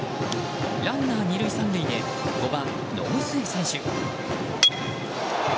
ランナー２塁３塁で５番、延末選手。